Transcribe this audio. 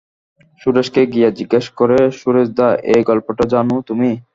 সুরেশকে গিয়া জিজ্ঞাসা করে-সুরেশদা, এই গল্পটা জানো তুমি?